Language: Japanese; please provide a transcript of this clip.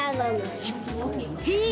へえ！